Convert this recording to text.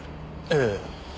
ええ。